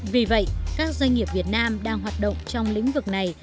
vì vậy các doanh nghiệp việt nam đang hoạt động trong lĩnh vực này